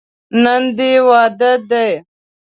نن دې واده دی.